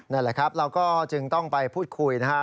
นั่นแหละครับเราก็จึงต้องไปพูดคุยนะฮะ